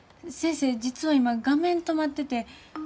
先生実は今画面止まってて。